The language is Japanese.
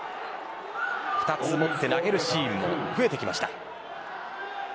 ２つ持って投げるシーンも増えてきました。